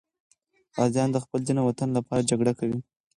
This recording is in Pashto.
غازیان د خپل دین او وطن لپاره جګړه کوي.